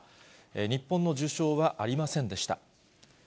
日本の受賞はありませんでした。